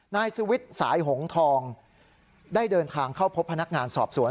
นายสุวิทย์สายหงทองได้เดินทางเข้าพบพนักงานสอบสวน